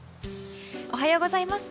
おはようございます。